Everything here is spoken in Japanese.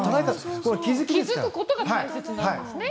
気付くことが大切なんですね。